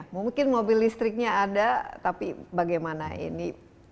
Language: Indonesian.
mungkin mobil listriknya ada tapi bagaimana ini